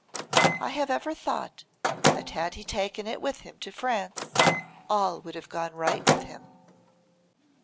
I have ever thought that had he taken it with him to France all would have gone right with him.